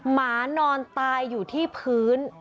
หมานอนตายอยู่ที่พื้น